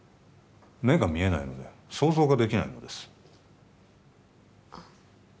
目が見えないので想像ができないのですあっ